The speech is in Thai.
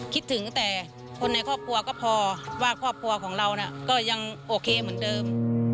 คิดถึงแต่คนในครอบครัวก็พอว่าครอบครัวของเราก็ยังโอเคเหมือนเดิม